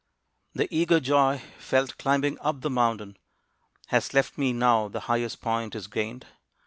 The eager joy felt climbing up the mountain Has left me now the highest point is gained.